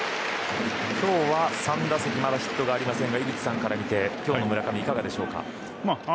今日の３打席まだヒットがありませんが井口さんから見て今日の村上いかがですか。